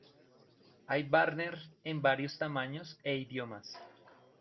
Hay banners en varios tamaños e idiomas.